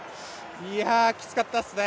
いや、きつかったですね。